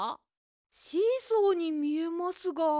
シーソーにみえますが。